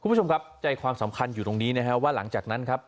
คุณผู้ชมครับใจความสำคัญอยู่ตรงนี้นะครับว่าหลังจากนั้นครับ